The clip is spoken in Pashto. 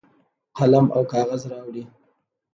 قلم او کاغذ راوړي.